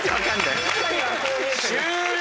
終了！